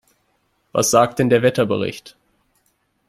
Was sagt denn der Wetterbericht?